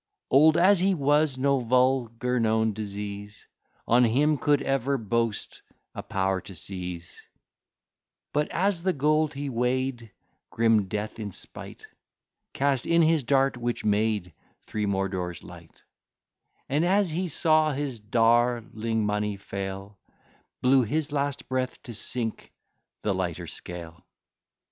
Old as he was, no vulgar known disease On him could ever boast a pow'r to seize; "But as the gold he weigh'd, grim death in spight Cast in his dart, which made three moidores light; And, as he saw his darling money fail, Blew his last breath to sink the lighter scale."